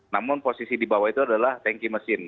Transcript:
namun posisi di bawah itu adalah tanki mesin